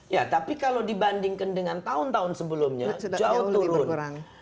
ya tapi kalau dibandingkan dengan tahun tahun sebelumnya jauh turun